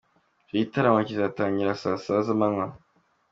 Icyo gitaramo kizatangira saa saba z’amanywa.